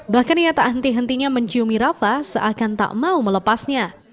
bahkan ia tak henti hentinya menciumi rafa seakan tak mau melepasnya